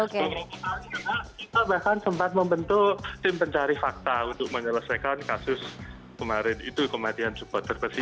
kita bahkan sempat membentuk tim pencari fakta untuk menyelesaikan kasus kemarin itu kematian supporter besi